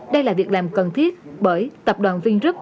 đây là việc làm cần thiết bởi tập đoàn vingroup